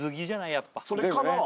やっぱそれかな？